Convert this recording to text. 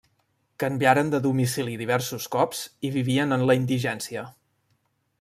Canviaren de domicili diversos cops, i vivien en la indigència.